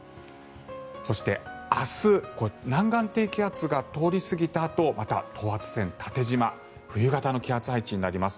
そして、明日南岸低気圧が通り過ぎたあとまた等圧線縦じま冬型の気圧配置になります。